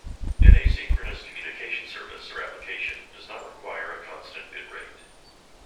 An asynchronous communication service or application does not require a constant bit rate.